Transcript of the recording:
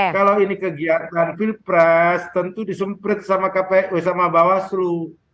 kalau ini kegiatan pilpres tentu disemprit sama kpu sama bawaslu